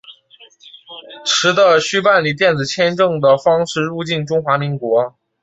持的需办理电子签证的方式入境中华民国。